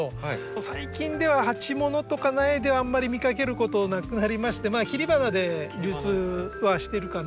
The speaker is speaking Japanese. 最近では鉢物とか苗ではあんまり見かけることなくなりまして切り花で流通はしてるかなというふうに思います。